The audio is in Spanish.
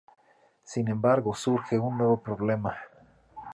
Sin embargo, surge un nuevo problema.